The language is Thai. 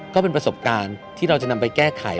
ก็เป็นประสบการณ์ที่เราจะนำไปแก้ไข